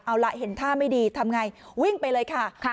เอาล่ะเห็นท่าไม่ดีทำไงวิ่งไปเลยค่ะ